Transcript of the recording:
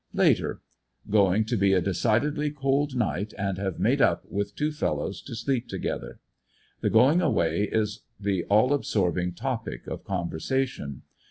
Later — Going to be a decidedly cold night, and have ''made up" with two fellows to sleep together. The going away is the all absorbing topic of conversation.